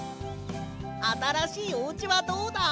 あたらしいおうちはどうだ？